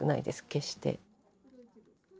決して。